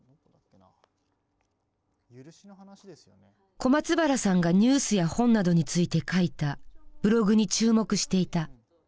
小松原さんがニュースや本などについて書いたブログに注目していた。